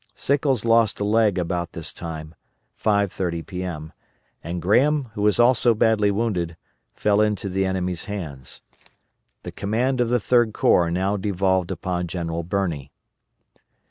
* Sickles lost a leg about this time (5.30 P.M.), and Graham, who was also badly wounded, fell into the enemy's hands. The command of the Third Corps now devolved upon General Birney.